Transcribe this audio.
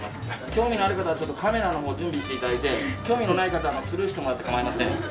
興味のある方はちょっとカメラの方を準備していただいて興味のない方はスルーしてもらって構いません。